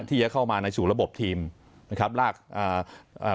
ที่จะเข้ามาในสู่ระบบทีมนะครับลากอ่าอ่า